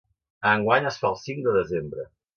Enguany es fa el cinc de desembre.